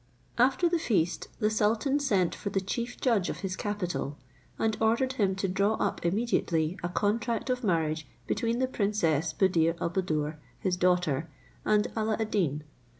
After the feast, the sultan sent for the chief judge of his capital, and ordered him to draw up immediately a contract of marriage between the princess Buddir al Buddoor his daughter and Alla ad Deen.